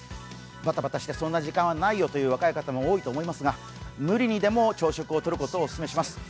バタバタしてそんな時間はないよという若い方、多いと思いますが無理にでも朝食を取ることをお勧めします。